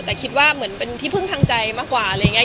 แต่คิดว่าเหมือนเป็นที่พึ่งทางใจมากกว่าอะไรอย่างนี้